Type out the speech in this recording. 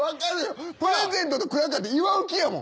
プレゼントとクラッカーって祝う気やもん。